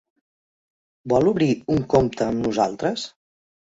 Vol obrir un compte amb nosaltres?